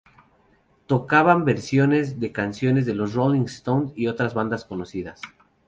Tocaban versiones de canciones de los Rolling Stones y otras bandas conocidas.